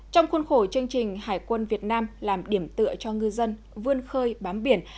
trong khuôn khổ chương trình hải quân việt nam làm điểm tựa cho ngư dân vươn khơi bám biển